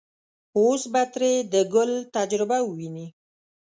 اوس به ترې د ګل تجربه وويني.